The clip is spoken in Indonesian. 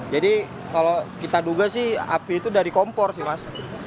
jadi kalau kita duga sih api itu dari kompor sih mas